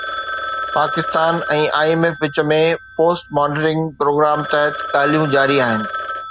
Pakistan ۽ I M F وچ ۾ post monitoring programme تحت ڳالهيون جاري آهن